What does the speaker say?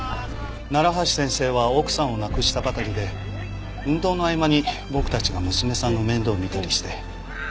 楢橋先生は奥さんを亡くしたばかりで運動の合間に僕たちが娘さんの面倒を見たりして。